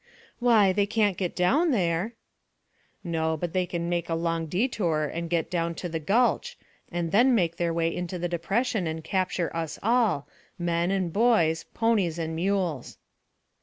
"Why, they can't get down there." "No, but they can make a long detour and get down to the gulch, and then make their way into the depression and capture us all, men and boys, ponies and mules."